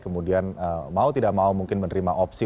kemudian mau tidak mau mungkin menerima opsi